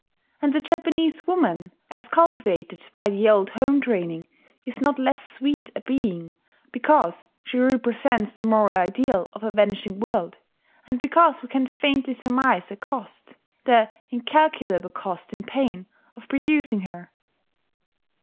And the Japanese woman, as cultivated by the old home training, is not less sweet a being because she represents the moral ideal of a vanishing world, and because we can faintly surmise the cost, the incalculable cost in pain, of producing her.